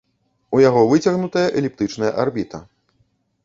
У яго выцягнутая эліптычная арбіта.